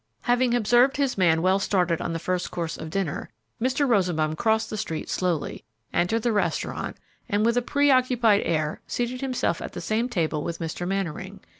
Having observed his man well started on the first course of dinner, Mr. Rosenbaum crossed the street slowly, entered the restaurant and with a pre occupied air seated himself at the same table with Mr. Mannering.